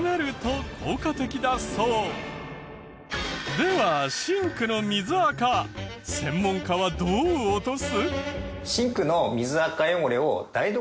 ではシンクの水あか専門家はどう落とす？